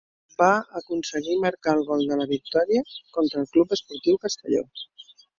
Va aconseguir marcar el gol de la victòria, contra el Club Esportiu Castelló.